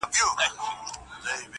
اوس خورا په خړپ رپيږي ورځ تېرېږي.